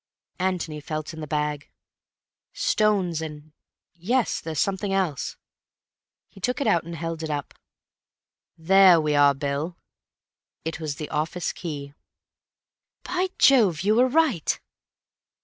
Antony felt in the bag. "Stones and—yes, there's something else." He took it out and held it up. "There we are, Bill." It was the office key. "By Jove, you were right."